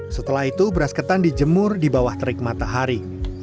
setelah itu beras ketan dijemur di bawah terik matahari